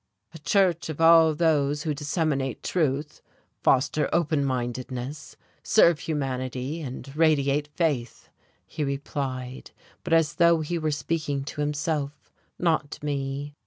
"A church of all those who disseminate truth, foster open mindedness, serve humanity and radiate faith," he replied but as though he were speaking to himself, not to me....